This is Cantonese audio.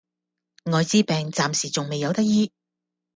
愛滋病暫時仲未有得醫